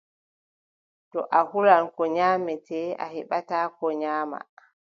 To a hulan ko nyaamete, a beɓataa ko nyaama.